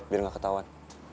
biar gak ketahuan